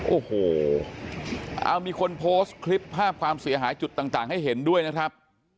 โอ้โหเอามีคนโพสต์คลิปภาพความเสียหายจุดต่างให้เห็นด้วยนะครับ